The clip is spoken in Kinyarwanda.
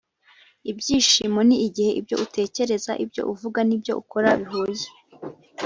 “ibyishimo ni igihe ibyo utekereza, ibyo uvuga, n'ibyo ukora bihuye.”